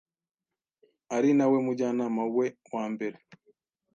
ari na we mujyanama we wa mbere.